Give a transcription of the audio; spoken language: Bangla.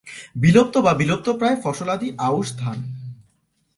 বিলুপ্ত বা বিলুপ্তপ্রায় ফসলাদি আউশ ধান।